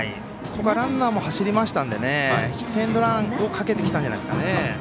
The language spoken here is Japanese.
ここはランナーも走りましたのでヒットエンドランをかけてきたんじゃないでしょうか。